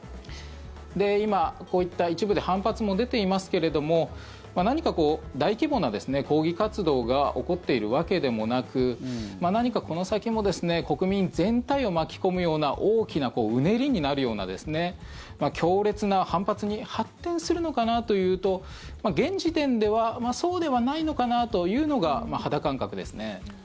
今、こういった一部で反発も出ていますけれども何か大規模な抗議活動が起こっているわけでもなく何かこの先も国民全体を巻き込むような大きなうねりになるような強烈な反発に発展するのかなというと現時点ではそうではないのかなというのが肌感覚ですね。